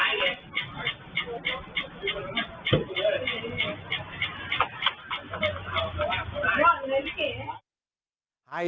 แต่ไงเดี๋ยวเขามาเลย